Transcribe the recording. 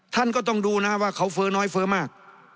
ท่านก็ต้องดูนะว่าเขาเฟ้อน้อยเฟ้อมาก